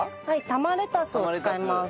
玉レタスを使います。